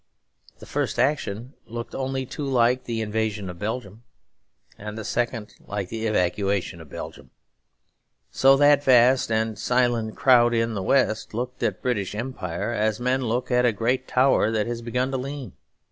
The first action looked only too like the invasion of Belgium, and the second like the evacuation of Belgium. So that vast and silent crowd in the West looked at the British Empire, as men look at a great tower that has begun to lean.